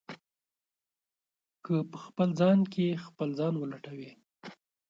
که په خپل ځان کې خپل ځان ولټوئ.